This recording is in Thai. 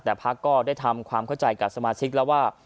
แต่พักก็ได้ทำความเข้าใจกับสมาชิกแล้วว่า